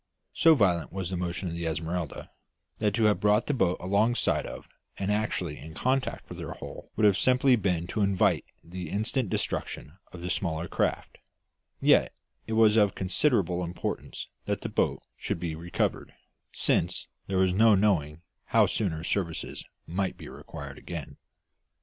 So violent was the motion of the Esmeralda, that to have brought the boat alongside of and actually in contact with her hull would have simply been to invite the instant destruction of the smaller craft; yet it was of considerable importance that the boat should be recovered, since there was no knowing how soon her services might be required again.